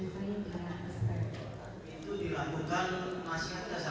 setelah setiap saniah mokah